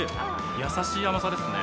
やさしい甘さですね。